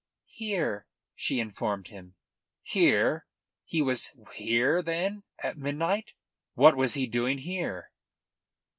"Here," she informed him. "Here? He was here, then, at midnight? What was he doing here?"